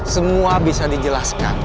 semua bisa dijelaskan